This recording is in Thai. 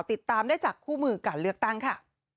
ติดตามได้จากคู่มือการเลือกตั้งค่ะ